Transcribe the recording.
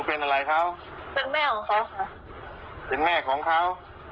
เป็นแม่ของเขา